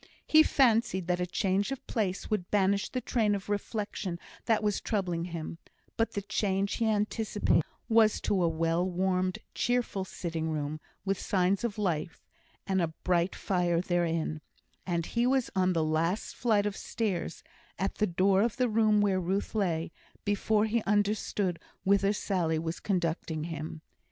He fancied that a change of place would banish the train of reflection that was troubling him; but the change he anticipated was to a well warmed, cheerful sitting room, with signs of life, and a bright fire therein; and he was on the last flight of stairs, at the door of the room where Ruth lay before he understood whither Sally was conducting him.